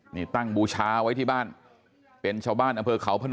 นี่ตั้งบูชาไว้ที่บ้าน